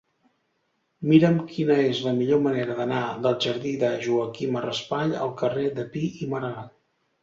Mira'm quina és la millor manera d'anar del jardí de Joaquima Raspall al carrer de Pi i Margall.